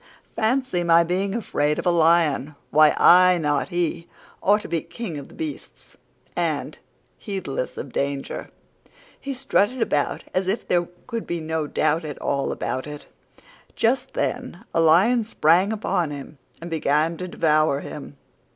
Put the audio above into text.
Fancy my being afraid of a lion! Why, I, not he, ought to be King of the beasts"; and, heedless of danger, he strutted about as if there could be no doubt at all about it. Just then a lion sprang upon him and began to devour him.